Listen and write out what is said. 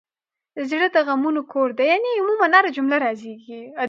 زړه د غمونو کور دی.